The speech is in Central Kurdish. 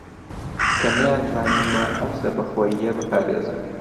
کە نەیانتوانیوە ئەم سەربەخۆیییە بپارێزن